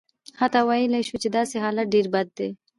حتی ویلای شو چې داسې حالت ډېر بد دی.